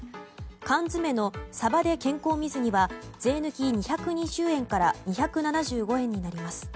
缶詰のさばで健康水煮は税抜き２２０円から２７５円になります。